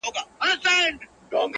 دردونه څنګه خطاباسې د ټکور تر کلي!!